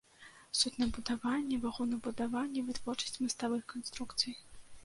Суднабудаванне, вагонабудаванне, вытворчасць маставых канструкцый.